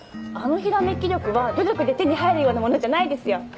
あのひらめき力は努力で手に入るようなものじゃないですよ。